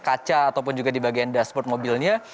kaca ataupun juga di bagian dashboard mobilnya